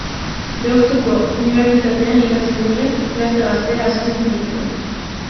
Deustuko Unibertsitatean ikasi ondoren, gazte-gaztea hasi zen politikan.